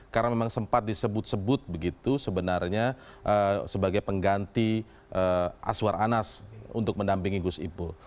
karena memang sempat disebut sebut begitu sebenarnya sebagai pengganti aswar anas untuk mendampingi gusipul